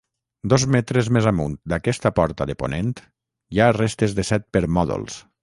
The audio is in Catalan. Dos metres més amunt d'aquesta porta de ponent hi ha restes de set permòdols.